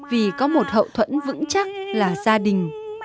vì có một hậu thuẫn vững chắc là gia đình